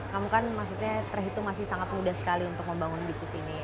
kamu kan maksudnya terhitung masih sangat mudah sekali untuk membangun bisnis ini